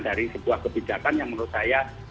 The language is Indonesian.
dari sebuah kebijakan yang menurut saya